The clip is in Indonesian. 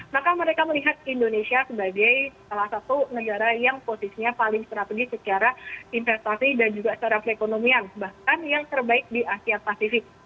maka mereka melihat indonesia sebagai salah satu negara yang posisinya paling strategis secara investasi dan juga secara perekonomian bahkan yang terbaik di asia pasifik